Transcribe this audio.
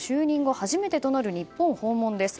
初めてとなる日本訪問です。